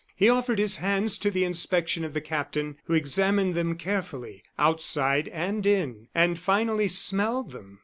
He offered his hands to the inspection of the captain, who examined them carefully, outside and in, and finally smelled them.